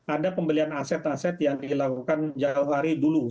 ada pembelian aset aset yang dilakukan jauh hari dulu